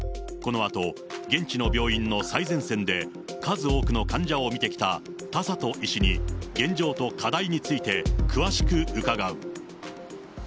このあと、現地の病院の最前線で数多くの患者を診てきた田里医師に、現状と課題について、詳しく伺う。